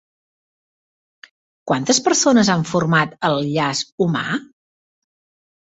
Quantes persones han format el llaç humà?